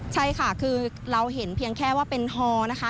ใช่ค่ะคือเราเห็นเพียงแค่ว่าเป็นฮอนะคะ